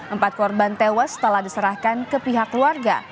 empat korban tewas setelah diserahkan ke pihak keluarga